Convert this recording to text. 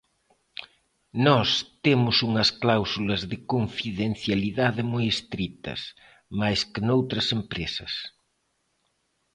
Nós temos unhas cláusulas de confidencialidade moi estritas, máis que noutras empresas.